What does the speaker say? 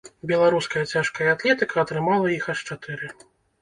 Беларуская цяжкая атлетыка атрымала іх аж чатыры.